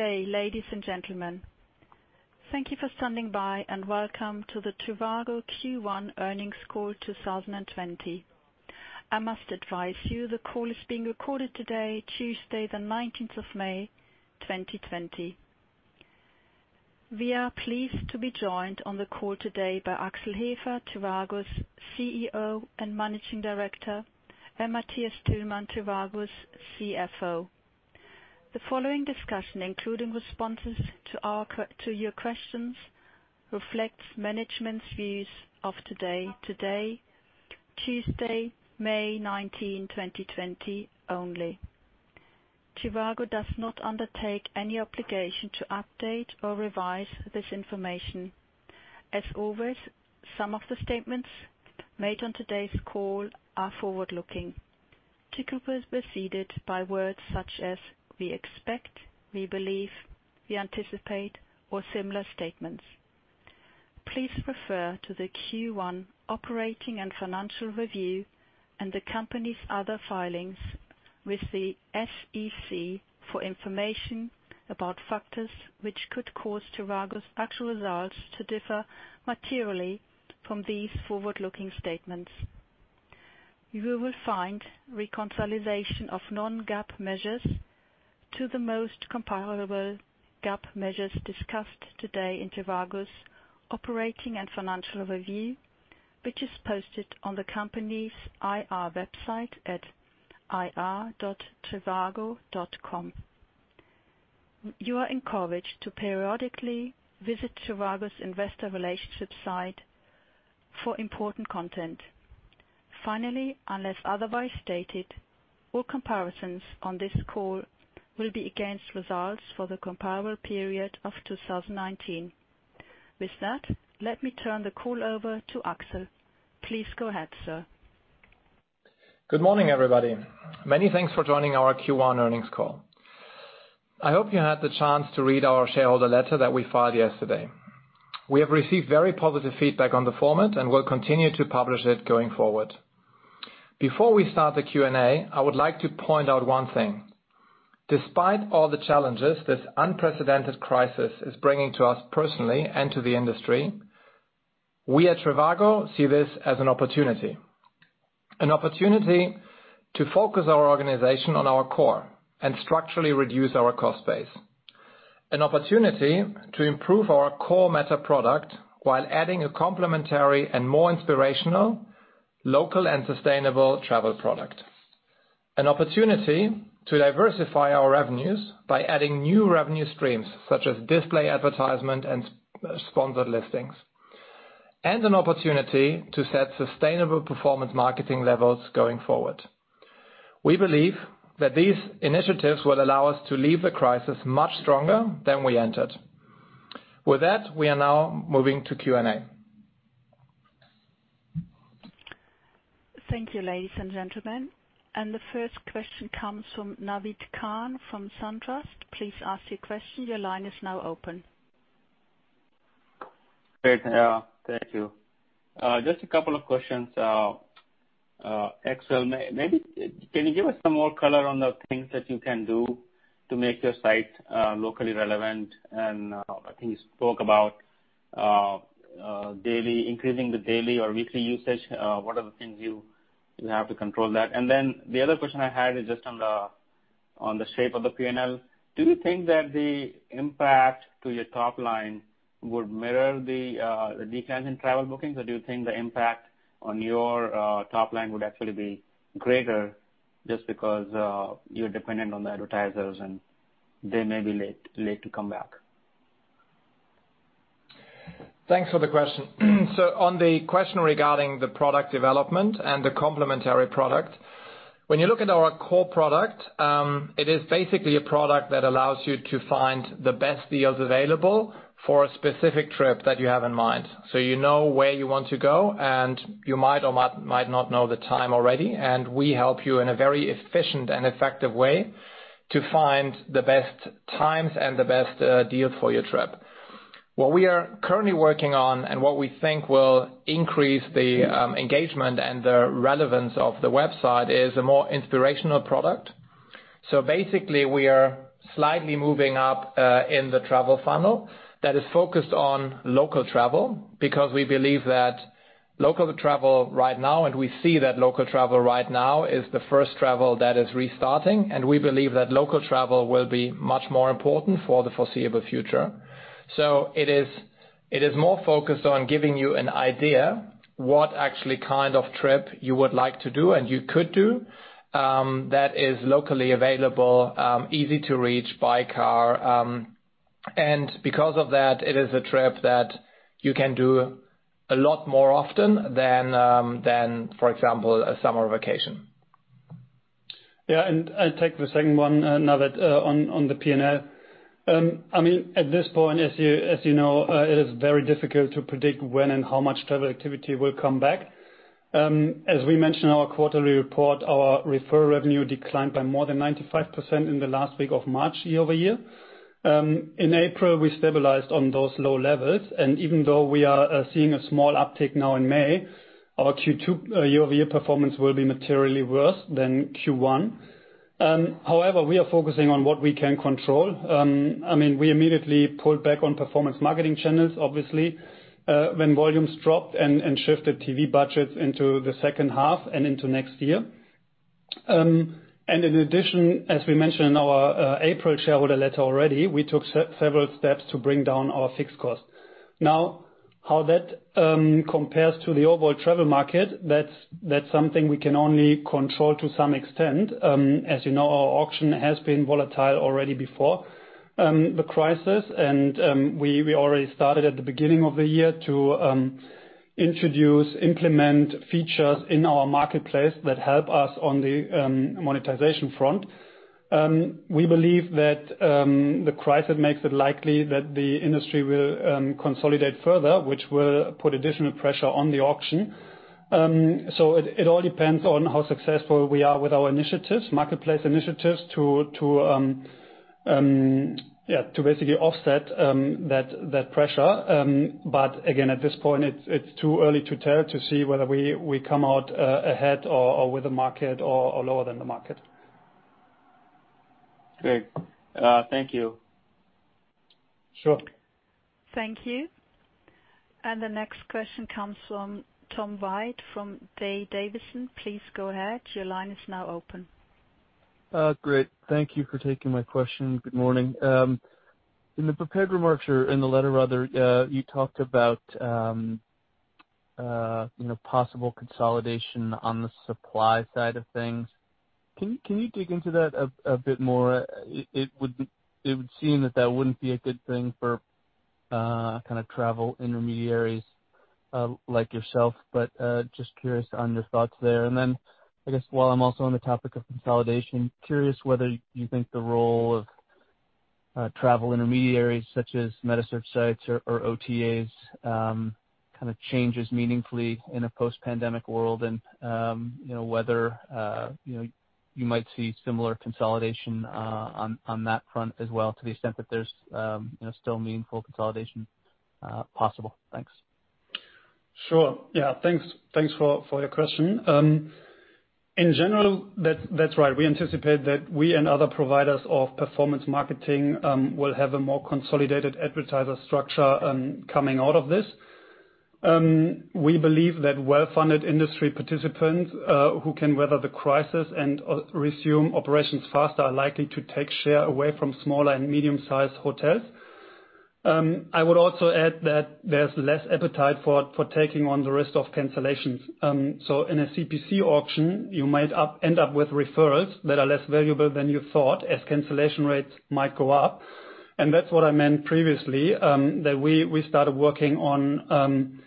Good day, ladies and gentlemen. Thank you for standing by, and welcome to the trivago Q1 earnings call 2020. I must advise you the call is being recorded today, Tuesday, the 19th of May 2020. We are pleased to be joined on the call today by Axel Hefer, trivago's CEO and Managing Director, and Matthias Tillmann, trivago's CFO. The following discussion, including responses to your questions, reflects management's views of today, Tuesday, May 19, 2020 only. trivago does not undertake any obligation to update or revise this information. As always, some of the statements made on today's call are forward-looking, typically preceded by words such as "we expect," "we believe," "we anticipate," or similar statements. Please refer to the Q1 operating and financial review, and the company's other filings with the SEC for information about factors which could cause trivago's actual results to differ materially from these forward-looking statements. You will find reconciliation of non-GAAP measures to the most comparable GAAP measures discussed today in trivago's operating and financial review, which is posted on the company's IR website at ir.trivago.com. You are encouraged to periodically visit trivago's investor relationship site for important content. Finally, unless otherwise stated, all comparisons on this call will be against results for the comparable period of 2019. With that, let me turn the call over to Axel. Please go ahead, sir. Good morning, everybody. Many thanks for joining our Q1 earnings call. I hope you had the chance to read our shareholder letter that we filed yesterday. We have received very positive feedback on the format and will continue to publish it going forward. Before we start the Q&A, I would like to point out one thing. Despite all the challenges this unprecedented crisis is bringing to us personally and to the industry, we at trivago see this as an opportunity. An opportunity to focus our organization on our core and structurally reduce our cost base. An opportunity to improve our core meta product while adding a complementary and more inspirational, local, and sustainable travel product. An opportunity to diversify our revenues by adding new revenue streams such as display advertisement and sponsored listings. An opportunity to set sustainable performance marketing levels going forward. We believe that these initiatives will allow us to leave the crisis much stronger than we entered. With that, we are now moving to Q&A. Thank you, ladies and gentlemen. The first question comes from Naved Khan from SunTrust. Please ask your question. Your line is now open. Great. Thank you. Just a couple of questions. Axel, can you give us some more color on the things that you can do to make your site locally relevant? I think you spoke about increasing the daily or weekly usage. What are the things you have to control that? The other question I had is just on the shape of the P&L. Do you think that the impact to your top line would mirror the declines in travel bookings, or do you think the impact on your top line would actually be greater just because you're dependent on the advertisers and they may be late to come back? Thanks for the question. On the question regarding the product development and the complementary product, when you look at our core product, it is basically a product that allows you to find the best deals available for a specific trip that you have in mind. You know where you want to go, and you might or might not know the time already, and we help you in a very efficient and effective way to find the best times and the best deal for your trip. What we are currently working on and what we think will increase the engagement and the relevance of the website is a more inspirational product. Basically, we are slightly moving up in the travel funnel that is focused on local travel because we believe that local travel right now, and we see that local travel right now is the first travel that is restarting, and we believe that local travel will be much more important for the foreseeable future. It is more focused on giving you an idea what actually kind of trip you would like to do and you could do that is locally available, easy to reach by car. Because of that, it is a trip that you can do a lot more often than, for example, a summer vacation. Yeah, I'll take the second one, Naved, on the P&L. At this point, as you know, it is very difficult to predict when and how much travel activity will come back. As we mentioned in our quarterly report, our referral revenue declined by more than 95% in the last week of March year-over-year. In April, we stabilized on those low levels, and even though we are seeing a small uptick now in May, our Q2 year-over-year performance will be materially worse than Q1. However, we are focusing on what we can control. We immediately pulled back on performance marketing channels, obviously, when volumes dropped and shifted TV budgets into the second half and into next year. In addition, as we mentioned in our April shareholder letter already, we took several steps to bring down our fixed costs. How that compares to the overall travel market, that's something we can only control to some extent. As you know, our auction has been volatile already before the crisis, and we already started at the beginning of the year to introduce, implement features in our marketplace that help us on the monetization front. We believe that the crisis makes it likely that the industry will consolidate further, which will put additional pressure on the auction. It all depends on how successful we are with our marketplace initiatives to basically offset that pressure. Again, at this point, it's too early to tell to see whether we come out ahead or with the market or lower than the market. Great. Thank you. Sure. Thank you. The next question comes from Tom White from D.A. Davidson. Please go ahead. Your line is now open. Great. Thank you for taking my question. Good morning. In the prepared remarks, or in the letter rather, you talked about possible consolidation on the supply side of things. Can you dig into that a bit more? It would seem that that wouldn't be a good thing for travel intermediaries like yourself, but just curious on your thoughts there. I guess while I'm also on the topic of consolidation, curious whether you think the role of travel intermediaries such as meta search sites or OTAs changes meaningfully in a post-pandemic world and whether you might see similar consolidation on that front as well, to the extent that there's still meaningful consolidation possible. Thanks. Sure. Thanks for your question. In general, that's right. We anticipate that we and other providers of performance marketing will have a more consolidated advertiser structure coming out of this. We believe that well-funded industry participants who can weather the crisis and resume operations faster are likely to take share away from smaller and medium-sized hotels. I would also add that there's less appetite for taking on the risk of cancellations. In a CPC auction, you might end up with referrals that are less valuable than you thought, as cancellation rates might go up. That's what I meant previously, that we started working on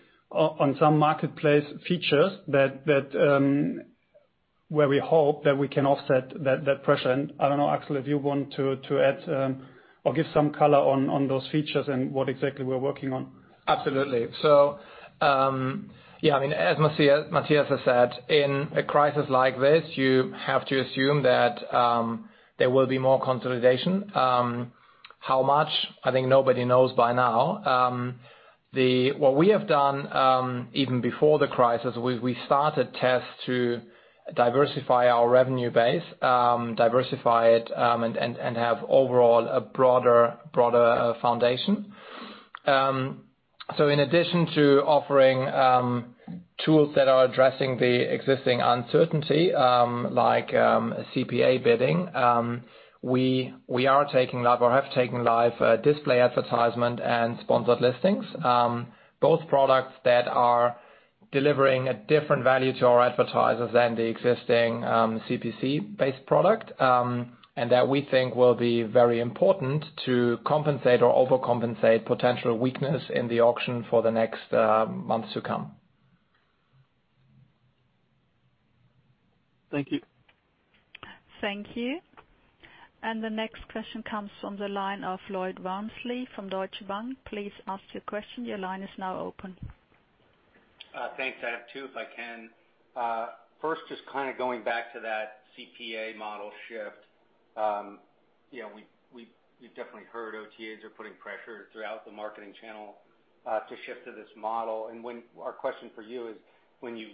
some marketplace features where we hope that we can offset that pressure. I don't know, Axel, if you want to add or give some color on those features and what exactly we're working on. Absolutely. As Matthias has said, in a crisis like this, you have to assume that there will be more consolidation. How much? I think nobody knows by now. What we have done, even before the crisis, we started tests to diversify our revenue base, diversify it and have overall a broader foundation. In addition to offering tools that are addressing the existing uncertainty, like CPA bidding, we are taking live or have taken live display advertisement and sponsored listings. Both products that are delivering a different value to our advertisers than the existing CPC-based product. That we think will be very important to compensate or overcompensate potential weakness in the auction for the next months to come. Thank you. Thank you. The next question comes from the line of Lloyd Walmsley from Deutsche Bank. Please ask your question. Your line is now open. Thanks. I have two, if I can. First, just going back to that CPA model shift. We've definitely heard OTAs are putting pressure throughout the marketing channel to shift to this model. Our question for you is, when you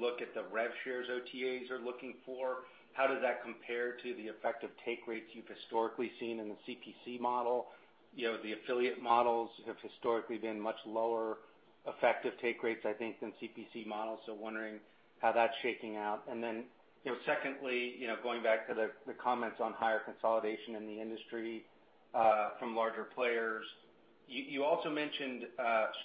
look at the rev shares OTAs are looking for, how does that compare to the effective take rates you've historically seen in the CPC model? The affiliate models have historically been much lower effective take rates, I think, than CPC models. Wondering how that's shaking out. Secondly, going back to the comments on higher consolidation in the industry from larger players. You also mentioned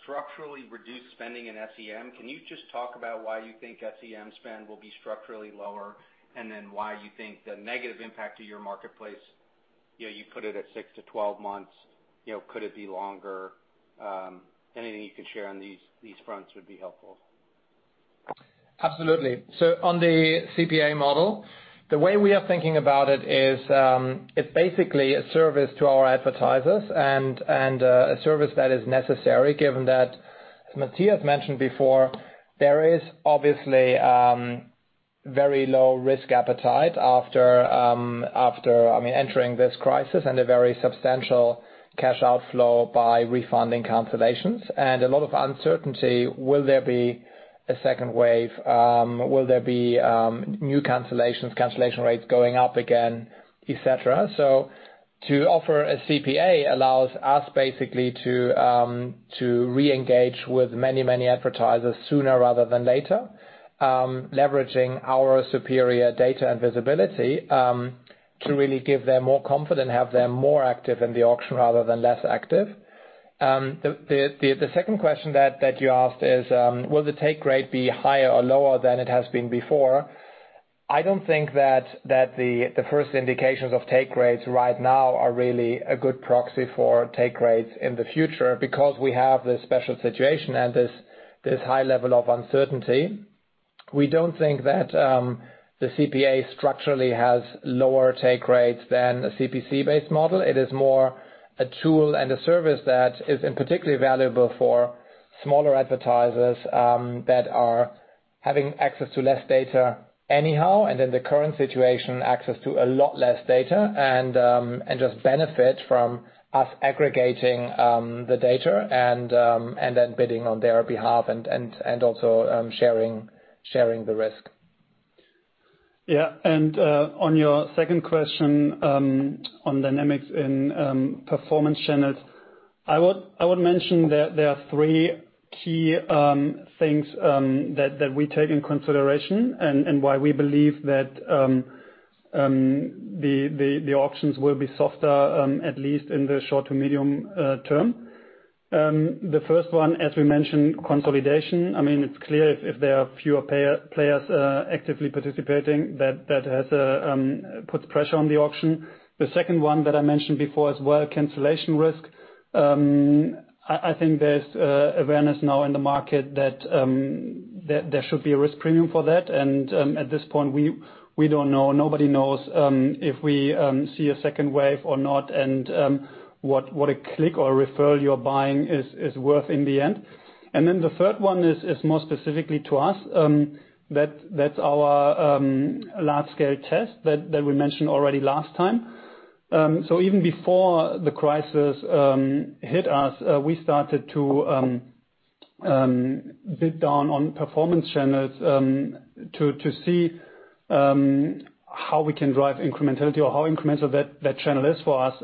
structurally reduced spending in SEM. Can you just talk about why you think SEM spend will be structurally lower, why you think the negative impact to your marketplace, you put it at 6-12 months. Could it be longer? Anything you can share on these fronts would be helpful. Absolutely. On the CPA model, the way we are thinking about it is, it's basically a service to our advertisers and a service that is necessary given that Matthias mentioned before, there is obviously very low risk appetite after entering this crisis and a very substantial cash outflow by refunding cancellations and a lot of uncertainty. Will there be a second wave? Will there be new cancellations, cancellation rates going up again, et cetera? To offer a CPA allows us basically to reengage with many advertisers sooner rather than later, leveraging our superior data and visibility, to really give them more comfort and have them more active in the auction rather than less active. The second question that you asked is, will the take rate be higher or lower than it has been before? I don't think that the first indications of take rates right now are really a good proxy for take rates in the future, because we have this special situation and this high level of uncertainty. We don't think that the CPA structurally has lower take rates than a CPC-based model. It is more a tool and a service that is particularly valuable for smaller advertisers that are having access to less data anyhow, and in the current situation, access to a lot less data, and just benefit from us aggregating the data and then bidding on their behalf and also sharing the risk. Yeah. On your second question on dynamics in performance channels, I would mention that there are three key things that we take in consideration and why we believe that the auctions will be softer, at least in the short to medium term. The first one, as we mentioned, consolidation. It's clear if there are fewer players actively participating, that puts pressure on the auction. The second one that I mentioned before as well, cancellation risk. I think there's awareness now in the market that there should be a risk premium for that. At this point, we don't know, nobody knows if we see a second wave or not, and what a click or refer you're buying is worth in the end. The third one is more specifically to us, that's our large-scale test that we mentioned already last time. Even before the crisis hit us, we started to bid down on performance channels to see how we can drive incrementality or how incremental that channel is for us.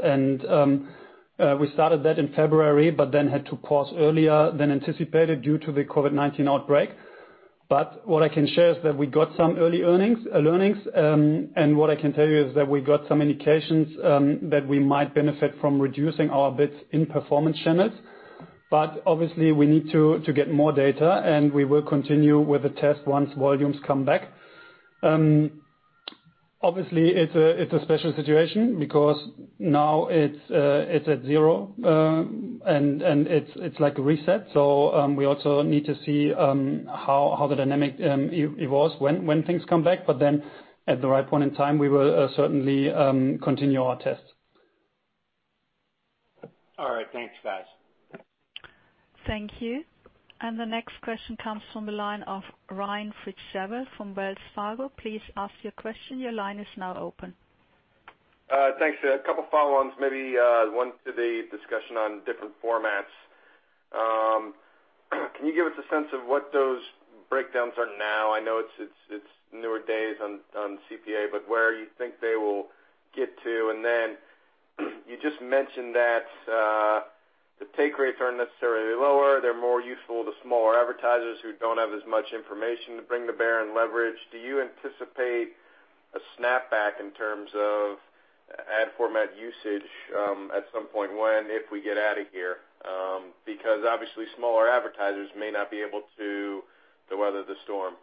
We started that in February, but then had to pause earlier than anticipated due to the COVID-19 outbreak. What I can share is that we got some early learnings. What I can tell you is that we got some indications that we might benefit from reducing our bids in performance channels. Obviously we need to get more data, and we will continue with the test once volumes come back. Obviously, it's a special situation because now it's at zero, and it's like a reset. We also need to see how the dynamic evolves when things come back. At the right point in time, we will certainly continue our test. All right. Thanks, guys. Thank you. The next question comes from the line of Ryan Fritzschere from Wells Fargo. Please ask your question. Your line is now open. Thanks. A couple follow-ons, maybe one to the discussion on different formats. Can you give us a sense of what those breakdowns are now? I know it's newer days on CPA, but where you think they will get to. You just mentioned that the take rates aren't necessarily lower. They're more useful to smaller advertisers who don't have as much information to bring to bear and leverage. Do you anticipate a snap back in terms of ad format usage at some point when, if we get out of here? Because obviously smaller advertisers may not be able to weather the storm.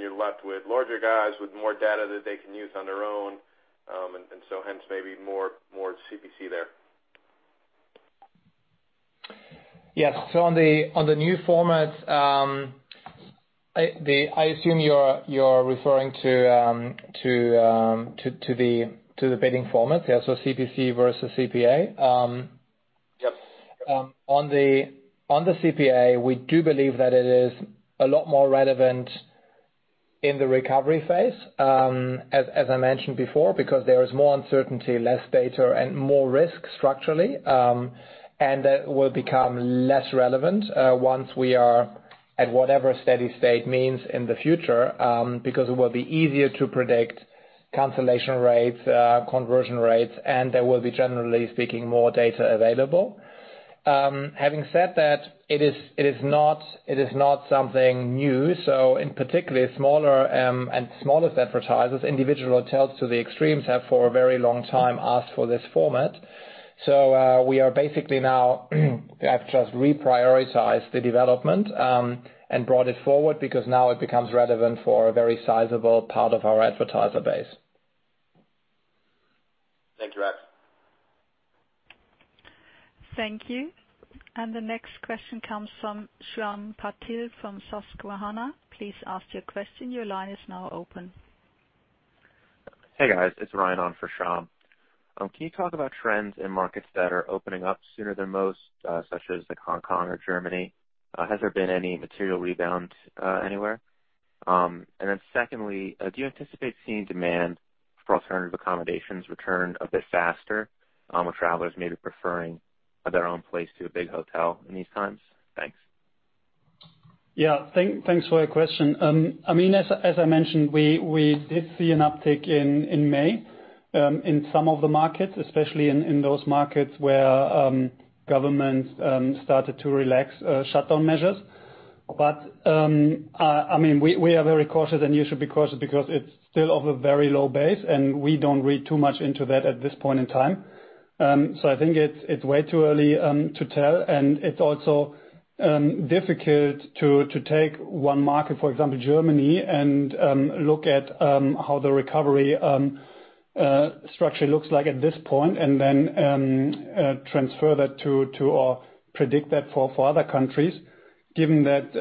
You're left with larger guys with more data that they can use on their own, hence maybe more CPC there. Yes. On the new formats, I assume you're referring to the bidding formats, so CPC versus CPA. Yep. On the CPA, we do believe that it is a lot more relevant in the recovery phase, as I mentioned before, because there is more uncertainty, less data, and more risk structurally. That will become less relevant once we are at whatever steady state means in the future, because it will be easier to predict cancellation rates, conversion rates, and there will be, generally speaking, more data available. Having said that, it is not something new. In particular, smaller and smallest advertisers, individual hotels to the extremes have for a very long time asked for this format. We are basically now have just reprioritized the development and brought it forward because now it becomes relevant for a very sizable part of our advertiser base. Thank you, Axel. Thank you. The next question comes from Shyam Patil from Susquehanna. Please ask your question. Your line is now open. Hey, guys. It's Ryan on for Shyam. Can you talk about trends in markets that are opening up sooner than most, such as Hong Kong or Germany? Has there been any material rebound anywhere? Secondly, do you anticipate seeing demand for alternative accommodations return a bit faster, with travelers maybe preferring their own place to a big hotel in these times? Thanks. Yeah. Thanks for your question. As I mentioned, we did see an uptick in May in some of the markets, especially in those markets where governments started to relax shutdown measures. We are very cautious, and you should be cautious because it's still off a very low base, and we don't read too much into that at this point in time. I think it's way too early to tell, and it's also difficult to take one market, for example, Germany, and look at how the recovery structure looks like at this point and then transfer that to, or predict that for other countries, given that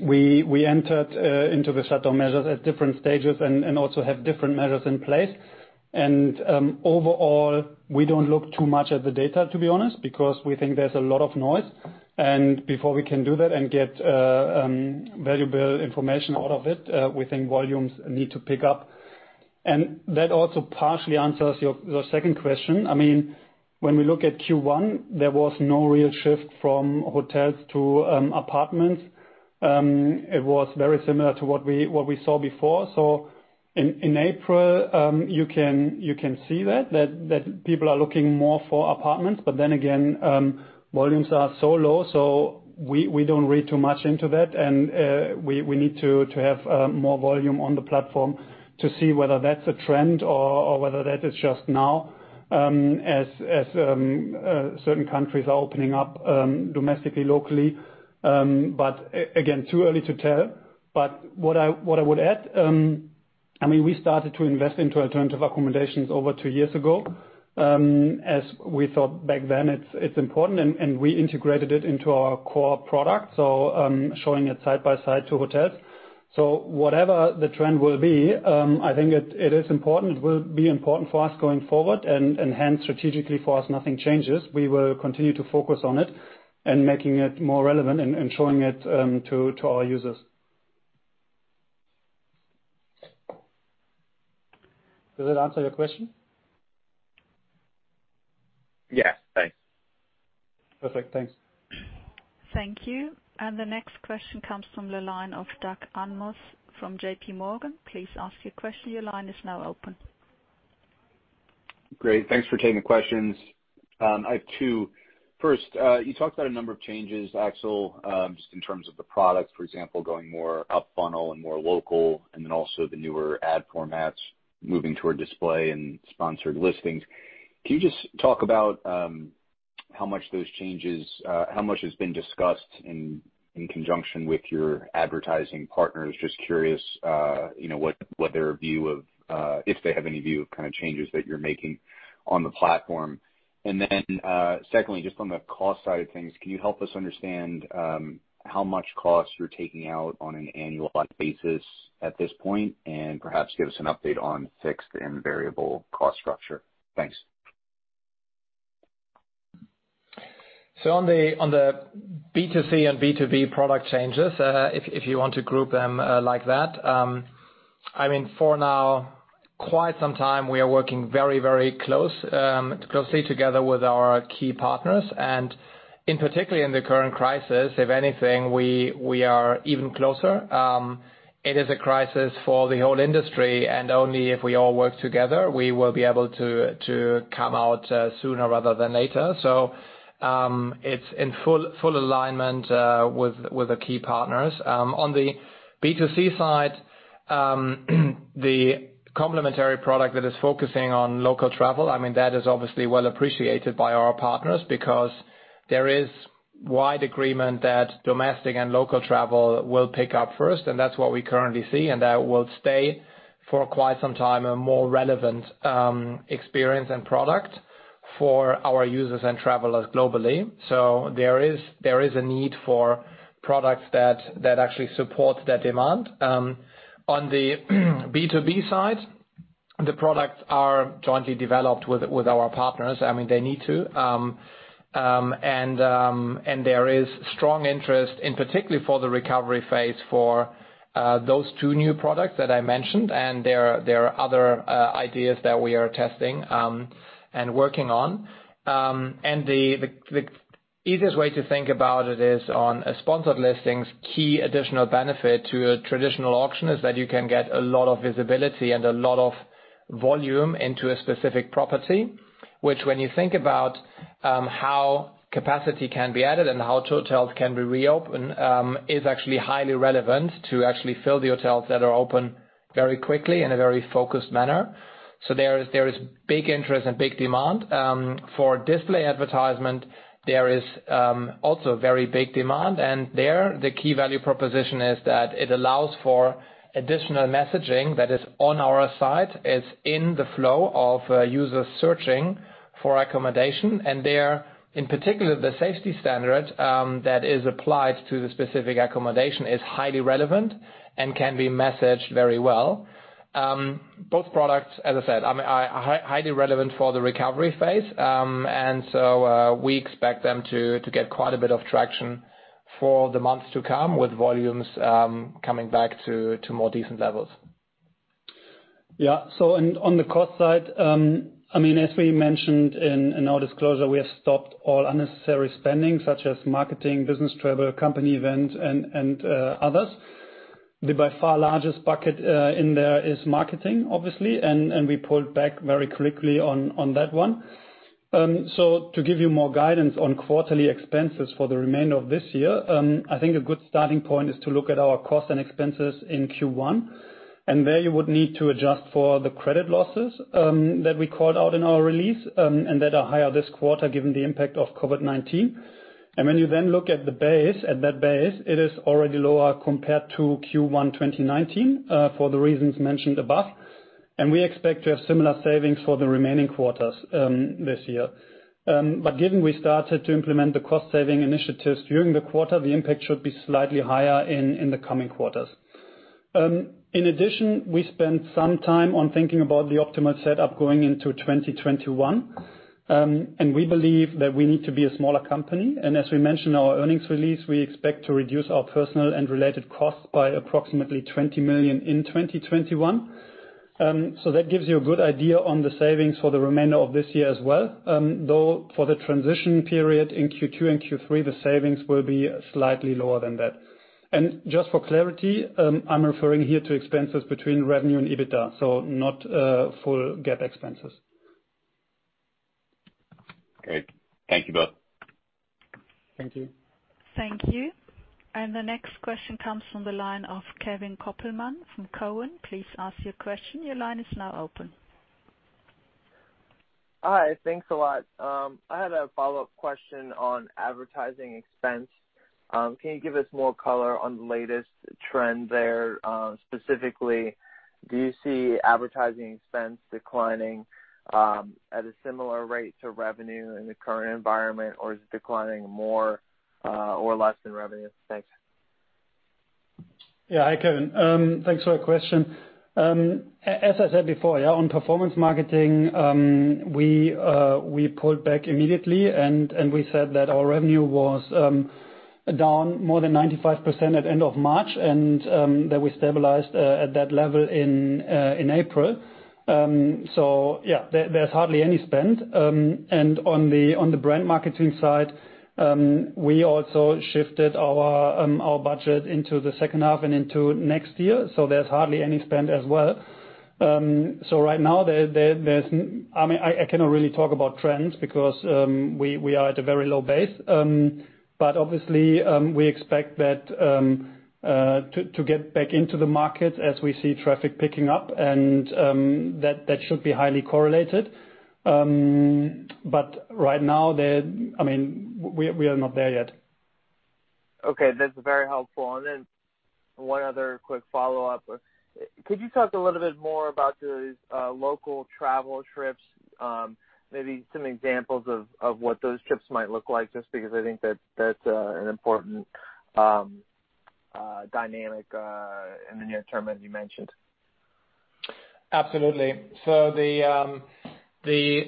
we entered into the shutdown measures at different stages and also have different measures in place. Overall, we don't look too much at the data, to be honest, because we think there's a lot of noise. Before we can do that and get valuable information out of it, we think volumes need to pick up. That also partially answers your second question. When we look at Q1, there was no real shift from hotels to apartments. It was very similar to what we saw before. In April, you can see that people are looking more for apartments. Again, volumes are so low, so we don't read too much into that. We need to have more volume on the platform to see whether that's a trend or whether that is just now as certain countries are opening up domestically, locally. Again, too early to tell. What I would add, we started to invest into alternative accommodations over two years ago, as we thought back then it's important, and we integrated it into our core product, so showing it side by side to hotels. Whatever the trend will be, I think it is important. It will be important for us going forward and hence strategically for us, nothing changes. We will continue to focus on it and making it more relevant and showing it to our users. Does that answer your question? Yes. Thanks. Perfect. Thanks. Thank you. The next question comes from the line of Doug Anmuth from JPMorgan. Please ask your question. Your line is now open. Great. Thanks for taking the questions. I have two. First, you talked about a number of changes, Axel, just in terms of the product, for example, going more up funnel and more local, and then also the newer ad formats moving toward display and sponsored listings. Can you just talk about how much has been discussed in conjunction with your advertising partners? Just curious if they have any view of changes that you're making on the platform. Secondly, just on the cost side of things, can you help us understand how much cost you're taking out on an annual basis at this point? Perhaps give us an update on fixed and variable cost structure. Thanks. On the B2C and B2B product changes, if you want to group them like that, for now, quite some time, we are working very closely together with our key partners, and in particular in the current crisis, if anything, we are even closer. It is a crisis for the whole industry, and only if we all work together, we will be able to come out sooner rather than later. It's in full alignment with the key partners. On the B2C side, the complementary product that is focusing on local travel, that is obviously well appreciated by our partners because there is wide agreement that domestic and local travel will pick up first, and that's what we currently see, and that will stay for quite some time, a more relevant experience and product for our users and travelers globally. There is a need for products that actually support that demand. On the B2B side, the products are jointly developed with our partners. They need to. There is strong interest in particular for the recovery phase for those two new products that I mentioned, and there are other ideas that we are testing and working on. The easiest way to think about it is on a sponsored listings key additional benefit to a traditional auction is that you can get a lot of visibility and a lot of volume into a specific property, which when you think about how capacity can be added and how hotels can be reopened, is actually highly relevant to actually fill the hotels that are open very quickly in a very focused manner. There is big interest and big demand. For display advertisement, there is also very big demand, and there the key value proposition is that it allows for additional messaging that is on our site. It's in the flow of a user searching for accommodation, and there, in particular, the safety standard that is applied to the specific accommodation is highly relevant and can be messaged very well. Both products, as I said, are highly relevant for the recovery phase. We expect them to get quite a bit of traction for the months to come with volumes coming back to more decent levels. Yeah. On the cost side, as we mentioned in our disclosure, we have stopped all unnecessary spending, such as marketing, business travel, company event, and others. The by far largest bucket in there is marketing, obviously, and we pulled back very quickly on that one. To give you more guidance on quarterly expenses for the remainder of this year, I think a good starting point is to look at our costs and expenses in Q1. There you would need to adjust for the credit losses that we called out in our release, and that are higher this quarter given the impact of COVID-19. When you then look at that base, it is already lower compared to Q1 2019 for the reasons mentioned above. We expect to have similar savings for the remaining quarters this year. Given we started to implement the cost-saving initiatives during the quarter, the impact should be slightly higher in the coming quarters. In addition, we spent some time on thinking about the optimal setup going into 2021. We believe that we need to be a smaller company, and as we mentioned in our earnings release, we expect to reduce our personal and related costs by approximately 20 million in 2021. That gives you a good idea on the savings for the remainder of this year as well, though for the transition period in Q2 and Q3, the savings will be slightly lower than that. Just for clarity, I'm referring here to expenses between revenue and EBITDA, so not full GAAP expenses. Great. Thank you both. Thank you. Thank you. The next question comes from the line of Kevin Kopelman from Cowen. Please ask your question. Your line is now open. Hi. Thanks a lot. I had a follow-up question on advertising expense. Can you give us more color on the latest trend there? Specifically, do you see advertising expense declining at a similar rate to revenue in the current environment or is it declining more or less than revenue? Thanks. Yeah. Hi, Kevin. Thanks for the question. As I said before, on performance marketing, we pulled back immediately, and we said that our revenue was down more than 95% at end of March, and that we stabilized at that level in April. There's hardly any spend. On the brand marketing side, we also shifted our budget into the second half and into next year, so there's hardly any spend as well. Right now, I cannot really talk about trends because we are at a very low base. Obviously, we expect that to get back into the market as we see traffic picking up, and that should be highly correlated. Right now, we are not there yet. Okay. That's very helpful. One other quick follow-up. Could you talk a little bit more about those local travel trips? Maybe some examples of what those trips might look like, just because I think that's an important dynamic in the near term as you mentioned. Absolutely. The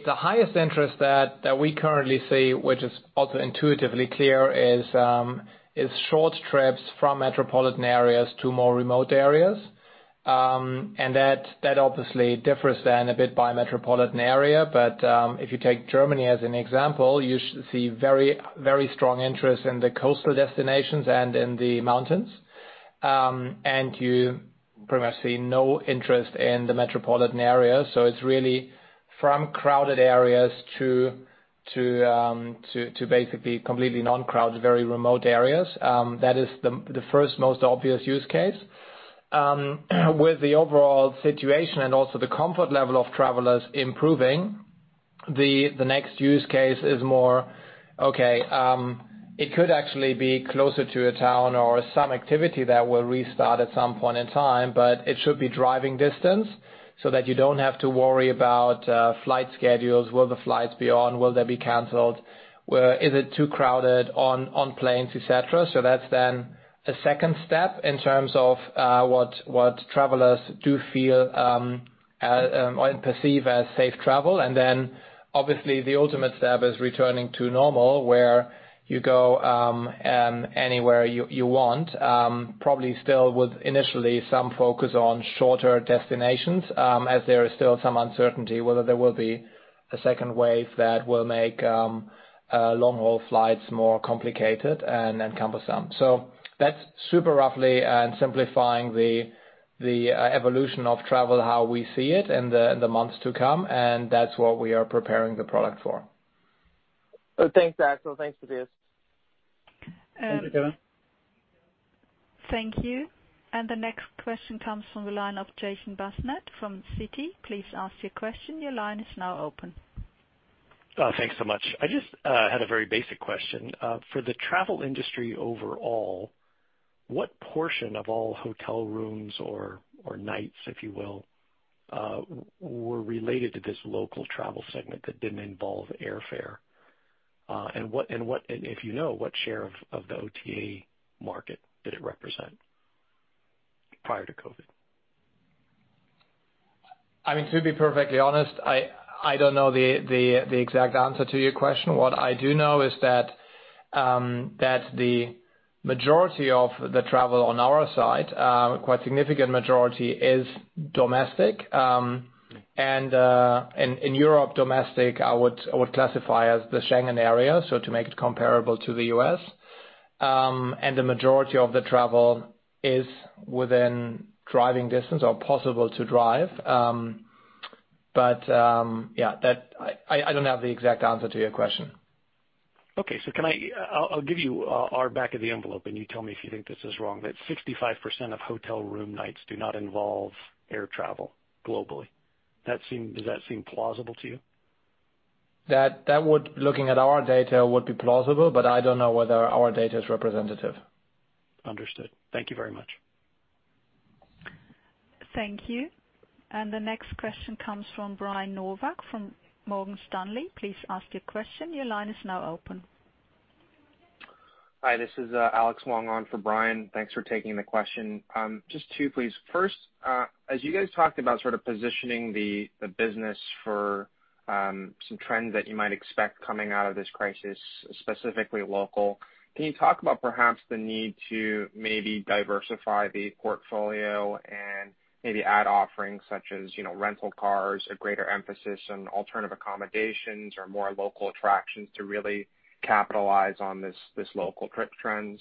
highest interest that we currently see, which is also intuitively clear, is short trips from metropolitan areas to more remote areas. That obviously differs then a bit by metropolitan area. If you take Germany as an example, you should see very strong interest in the coastal destinations and in the mountains. You pretty much see no interest in the metropolitan area. It's really from crowded areas to basically completely non-crowded, very remote areas. That is the first most obvious use case. With the overall situation and also the comfort level of travelers improving, the next use case is more, okay, it could actually be closer to a town or some activity that will restart at some point in time, but it should be driving distance so that you don't have to worry about flight schedules. Will the flights be on? Will they be canceled? Is it too crowded on planes, et cetera? That's then a second step in terms of what travelers do feel or perceive as safe travel. Then obviously the ultimate step is returning to normal, where you go anywhere you want. Probably still with initially some focus on shorter destinations, as there is still some uncertainty whether there will be a second wave that will make long-haul flights more complicated and cumbersome. That's super roughly and simplifying the evolution of travel, how we see it in the months to come, and that's what we are preparing the product for. Thanks, Axel. Thanks, Matthias. Thank you, Kevin. Thank you. The next question comes from the line of Jason Bazinet from Citi. Please ask your question. Your line is now open. Thanks so much. I just had a very basic question. For the travel industry overall, what portion of all hotel rooms or nights, if you will, were related to this local travel segment that didn't involve airfare? If you know, what share of the OTA market did it represent prior to COVID? To be perfectly honest, I don't know the exact answer to your question. What I do know is that majority of the travel on our side, quite significant majority, is domestic. In Europe, domestic, I would classify as the Schengen area, so to make it comparable to the U.S. The majority of the travel is within driving distance or possible to drive. Yeah, I don't have the exact answer to your question. Okay. I'll give you our back of the envelope, and you tell me if you think this is wrong, that 65% of hotel room nights do not involve air travel globally. Does that seem plausible to you? That, looking at our data, would be plausible, but I don't know whether our data is representative. Understood. Thank you very much. Thank you. The next question comes from Brian Nowak from Morgan Stanley. Please ask your question. Your line is now open. Hi, this is Alex Wong on for Brian. Thanks for taking the question. Just two, please. As you guys talked about positioning the business for some trends that you might expect coming out of this crisis, specifically local, can you talk about perhaps the need to maybe diversify the portfolio and maybe add offerings such as rental cars, a greater emphasis on alternative accommodations or more local attractions to really capitalize on this local trip trends?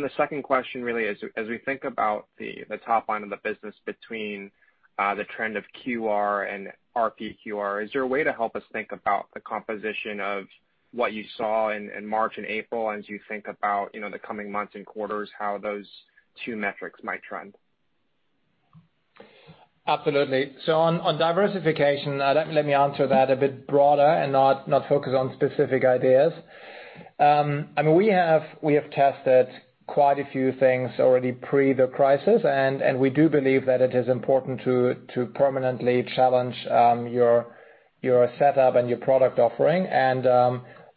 The second question really is, as we think about the top line of the business between the trend of QR and RPQR, is there a way to help us think about the composition of what you saw in March and April as you think about the coming months and quarters, how those two metrics might trend? Absolutely. On diversification, let me answer that a bit broader and not focus on specific ideas. We have tested quite a few things already pre the crisis, and we do believe that it is important to permanently challenge your setup and your product offering.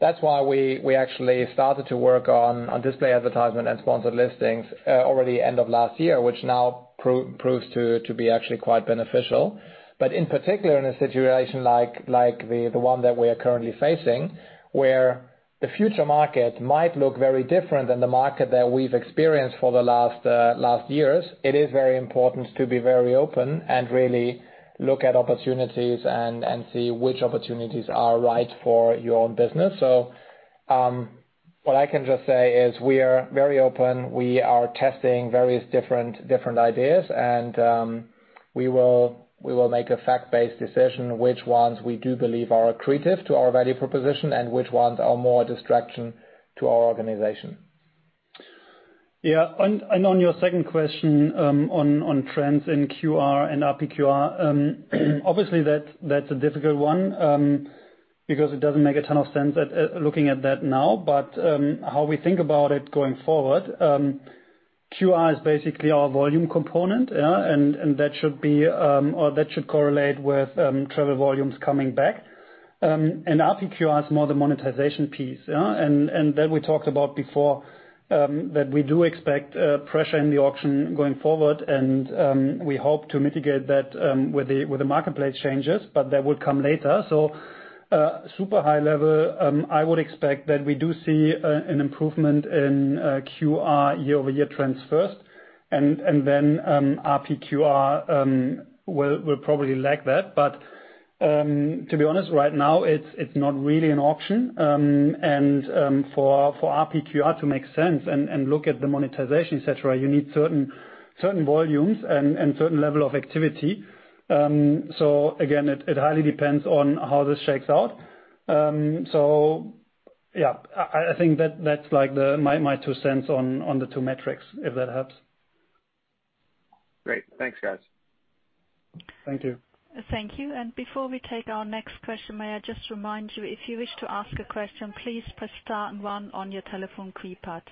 That's why we actually started to work on display advertisement and sponsored listings already end of last year, which now proves to be actually quite beneficial. In particular, in a situation like the one that we are currently facing, where the future market might look very different than the market that we've experienced for the last years, it is very important to be very open and really look at opportunities and see which opportunities are right for your own business. What I can just say is we are very open. We are testing various different ideas, and we will make a fact-based decision which ones we do believe are accretive to our value proposition and which ones are more a distraction to our organization. Yeah. On your second question, on trends in QR and RPQR, obviously that's a difficult one, because it doesn't make a ton of sense looking at that now. How we think about it going forward, QR is basically our volume component, yeah, and that should correlate with travel volumes coming back. RPQR is more the monetization piece. We talked about before that we do expect pressure in the auction going forward, and we hope to mitigate that with the marketplace changes, but that will come later. Super high level, I would expect that we do see an improvement in QR year-over-year trends first, and then RPQR will probably lag that. To be honest, right now it's not really an option. For RPQR to make sense and look at the monetization, et cetera, you need certain volumes and certain level of activity. Again, it highly depends on how this shakes out. Yeah, I think that's my two cents on the two metrics, if that helps. Great. Thanks, guys. Thank you. Thank you. Before we take our next question, may I just remind you, if you wish to ask a question, please press star and one on your telephone keypad.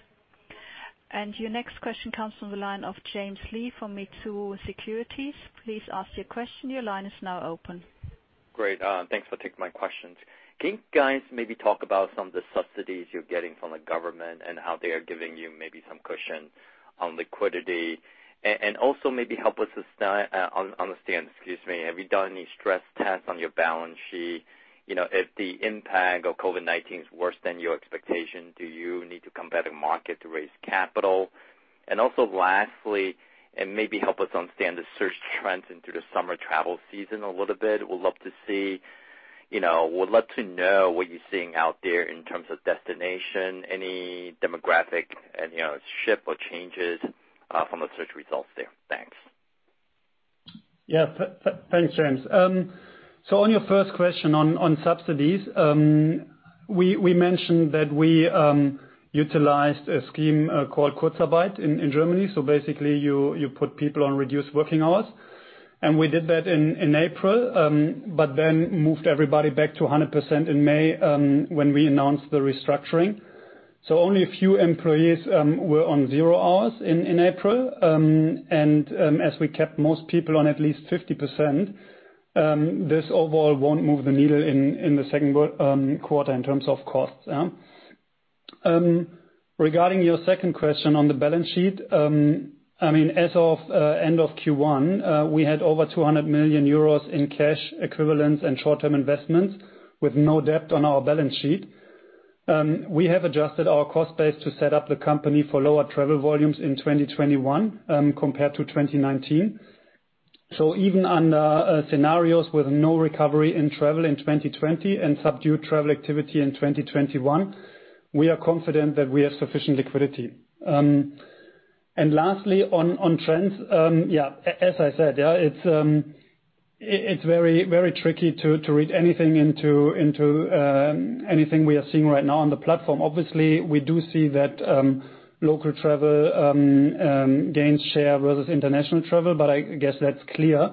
Your next question comes from the line of James Lee from Mizuho Securities. Please ask your question. Your line is now open. Great. Thanks for taking my questions. Also maybe help us understand, have you done any stress tests on your balance sheet? If the impact of COVID-19 is worse than your expectation, do you need to come back to market to raise capital? Also lastly, maybe help us understand the search trends into the summer travel season a little bit. Would love to know what you're seeing out there in terms of destination, any demographic shift or changes from the search results there. Thanks. Yeah. Thanks, James. On your first question on subsidies, we mentioned that we utilized a scheme called Kurzarbeit in Germany. Basically you put people on reduced working hours. We did that in April, but then moved everybody back to 100% in May, when we announced the restructuring. Only a few employees were on zero hours in April. As we kept most people on at least 50%, this overall won't move the needle in the second quarter in terms of costs. Your second question on the balance sheet, as of end of Q1, we had over 200 million euros in cash equivalents and short-term investments with no debt on our balance sheet. We have adjusted our cost base to set up the company for lower travel volumes in 2021 compared to 2019. Even under scenarios with no recovery in travel in 2020 and subdued travel activity in 2021, we are confident that we have sufficient liquidity. Lastly, on trends. As I said, it's very tricky to read anything into anything we are seeing right now on the platform. Obviously, we do see that local travel gains share versus international travel, but I guess that's clear.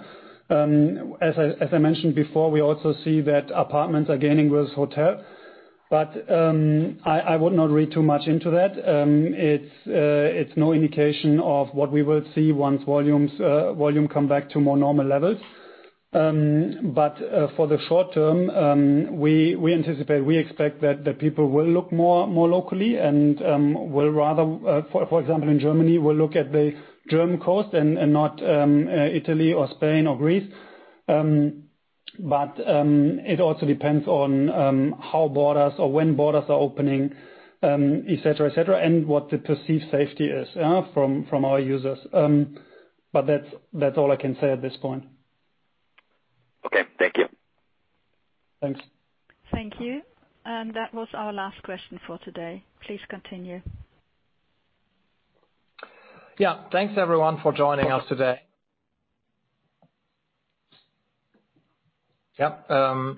As I mentioned before, we also see that apartments are gaining versus hotel. I would not read too much into that. It's no indication of what we will see once volume come back to more normal levels. For the short term, we expect that the people will look more locally and will rather, for example, in Germany, will look at the German coast and not Italy or Spain or Greece. It also depends on how borders or when borders are opening, et cetera. What the perceived safety is from our users. That's all I can say at this point. Okay, thank you. Thanks. Thank you. That was our last question for today. Please continue. Yeah. Thanks, everyone, for joining us today. The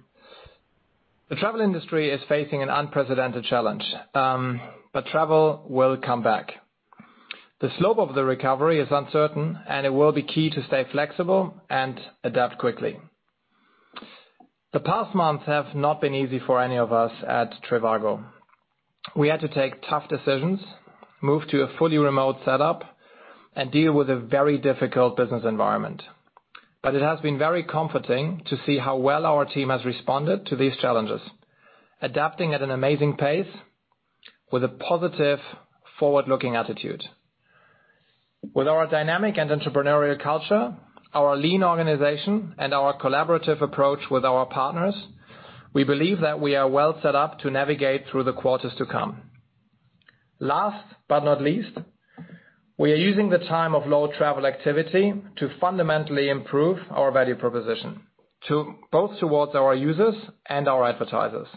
travel industry is facing an unprecedented challenge, but travel will come back. The slope of the recovery is uncertain, and it will be key to stay flexible and adapt quickly. The past months have not been easy for any of us at trivago. We had to take tough decisions, move to a fully remote setup, and deal with a very difficult business environment. It has been very comforting to see how well our team has responded to these challenges, adapting at an amazing pace with a positive forward-looking attitude. With our dynamic and entrepreneurial culture, our lean organization, and our collaborative approach with our partners, we believe that we are well set up to navigate through the quarters to come. Last but not least, we are using the time of low travel activity to fundamentally improve our value proposition, both towards our users and our advertisers,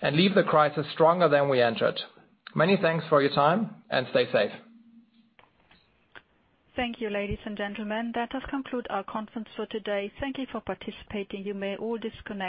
and leave the crisis stronger than we entered. Many thanks for your time, stay safe. Thank you, ladies and gentlemen. That does conclude our conference for today. Thank you for participating. You may all disconnect.